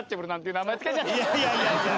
いやいやいやいや。